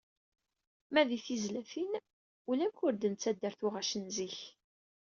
Ma di tizlatin ulamek ur d-nettader tuɣac n zik.